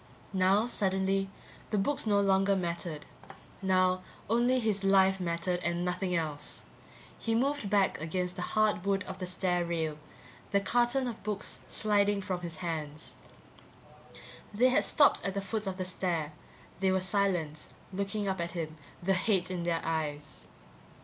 Now, suddenly, the books no longer mattered. Now only his life mattered and nothing else. He moved back against the hard wood of the stair rail, the carton of books sliding from his hands. They had stopped at the foot of the stair; they were silent, looking up at him, the hate in their eyes.